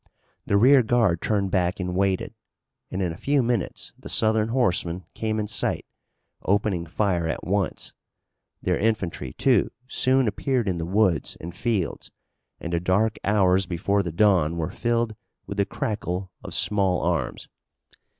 The rear guard turned back and waited, and in a few minutes the Southern horsemen came in sight, opening fire at once. Their infantry, too, soon appeared in the woods and fields and the dark hours before the dawn were filled with the crackle of small arms.